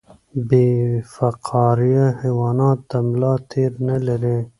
بې فقاریه حیوانات د ملا تیر نلري